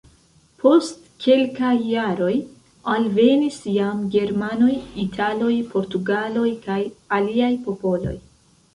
Post kelkaj jaroj alvenis jam germanoj, italoj, portugaloj kaj aliaj popoloj.